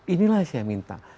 inilah yang saya minta